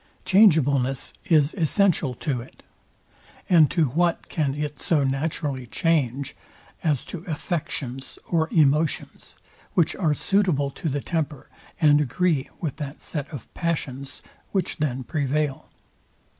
Changeableness is essential to it. And to what can it so naturally change as to affections or emotions, which are suitable to the temper, and agree with that set of passions, which then prevail?